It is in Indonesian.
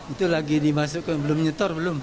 itu lagi dimasukkan belum nyetor belum